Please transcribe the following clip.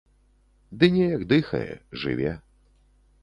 Ды неяк дыхае, жыве.